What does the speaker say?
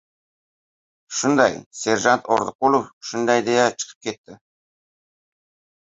Shunday! Serjant Orziqulov shunday deya chiqib ketdi.